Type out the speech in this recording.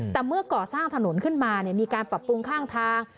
แต่เมื่อก่อสร้างถนนขึ้นมามีการปรับปรุงข้างทาง